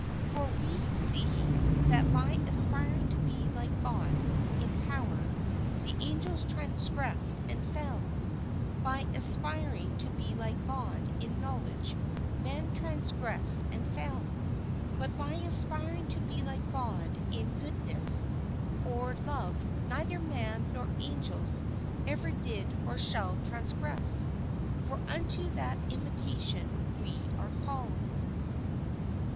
For so we see, that by aspiring to be like God in power, the angels transgressed and fell; by aspiring to be like God in knowledge man transgressed and fell; but by aspiring to be like God in goodness or love neither man nor angels ever did or shall transgress, for unto that imitation we are called.